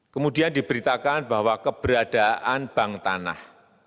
kemudian diberitakan bahwa keberadaan bank tanah